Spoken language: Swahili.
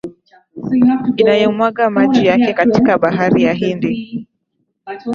inayomwaga maji yake katika bahari ya Hindi